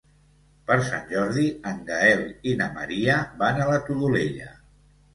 Per Sant Jordi en Gaël i na Maria van a la Todolella.